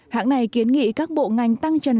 hãng này kiến nghị các bộ ngành tăng trần